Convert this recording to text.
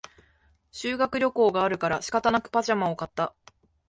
修学旅行があるから仕方なくパジャマを買った